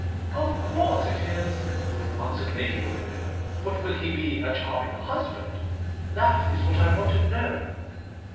'Of course it is!' answered Lady Windermere, 'but will he be a charming husband? That is what I want to know.